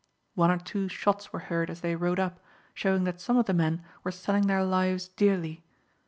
One or two shots were heard as they rode up, showing that some of the men were selling their lives dearly.